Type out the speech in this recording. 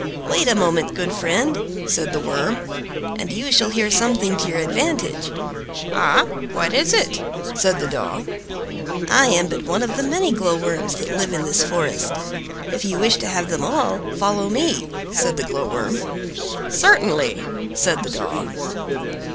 "Wait a moment, good friend," said the Worm, "and you shall hear something to your advantage." "Ah! what is it?" said the Daw. "I am but one of the many glowworms that live in this forest. If you wish to have them all, follow me," said the Glowworm. "Certainly!" said the Daw.